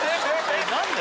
えっ何で？